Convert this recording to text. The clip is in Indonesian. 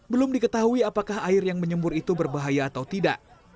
belum diketahui apakah air yang menyembur itu berbahaya atau tidak